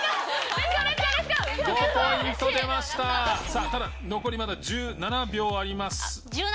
さあただ残りまだ１７秒あります。